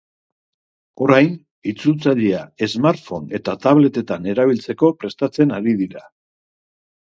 Orain, itzultzailea smartphone eta tablet-etan erabiltzeko prestatzen ari dira.